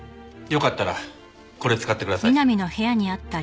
よかったらこれ使ってください。